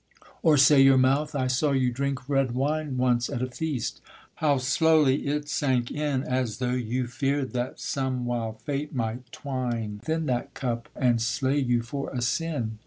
Or say your mouth, I saw you drink red wine Once at a feast; how slowly it sank in, As though you fear'd that some wild fate might twine Within that cup, and slay you for a sin.